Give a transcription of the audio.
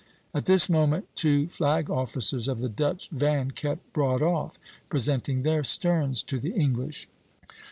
"At this moment two flag officers of the Dutch van kept broad off, presenting their sterns to the English (V').